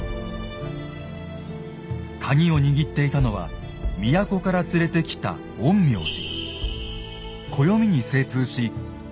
カギを握っていたのは都から連れてきた陰陽師。